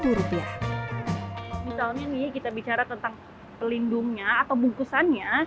misalnya nih kita bicara tentang pelindungnya atau bungkusannya